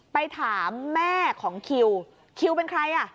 ไปถามแม่ของคิวคิวเป็นใครอ่ะ